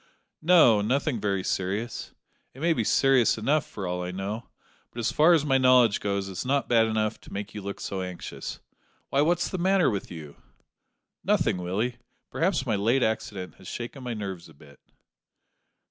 "No, nothing very serious. It may be serious enough for all I know; but as far as my knowledge goes it's not bad enough to make you look so anxious. Why, what's the matter with you?" "Nothing, Willie. Perhaps my late accident has shaken my nerves a bit."